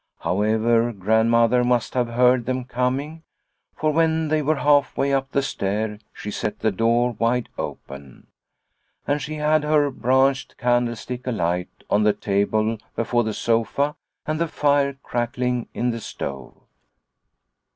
However, Grandmother must have heard them coming, for when they were half way up the stair she set the door wide open. And she had her branched candlestick alight on the table before the sofa and the fire crackling in the stove.